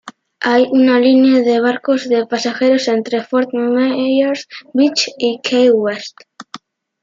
Hay una línea de barcos de pasajeros entre Fort Myers Beach y Key West.